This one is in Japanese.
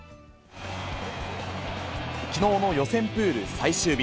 きのうの予選プール最終日。